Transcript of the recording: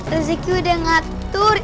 rezeki udah ngatur